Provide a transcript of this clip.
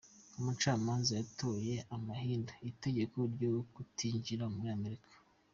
Umucamanza yatoye amahinyu itegeko ryo kutinjira muri Amerika.